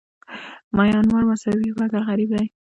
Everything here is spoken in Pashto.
میانمار مساوي مګر غریب دی.